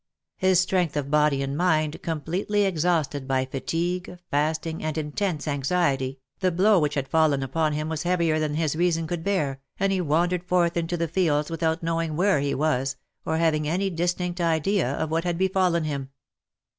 His strength of body and mind completely exhausted by fatigue, fasting, and intense anxiety, the blow which had fallen upon him was heavier than his reason could bear, and he wandered forth into the fields without knowing where he was, or having any dis tinct idea of what had befallen him.